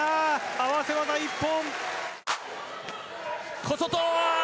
合わせ技一本！